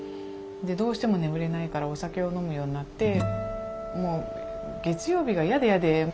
どうしても眠れないからお酒を飲むようになってもう月曜日が嫌で嫌で。